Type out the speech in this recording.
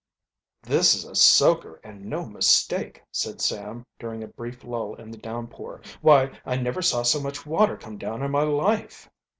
"This is a soaker and no mistake," said Sam, during a brief lull in the downpour. "Why, I never saw so much water come down in my life."